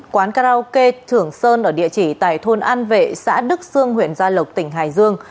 quán karaoke thưởng sơn ở địa chỉ tại thôn an vệ xã đức sương huyện gia lộc tỉnh hải dương